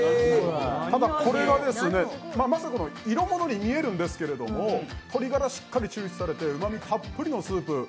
ただこれが、色物に見えるんですけど鶏ガラがしっかり抽出されて、うまみたっぷりのスープ。